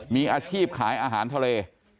มีอาชีพขายอาหารทะเล